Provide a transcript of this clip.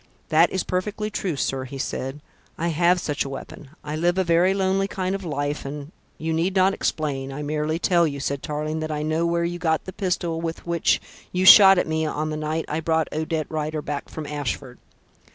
"That is perfectly true, sir," he said. "I have such a weapon. I live a very lonely kind of life, and " "You need not explain. I merely tell you," said Tarling, "that I know where you got the pistol with which you shot at me on the night I brought Odette Rider back from Ashford."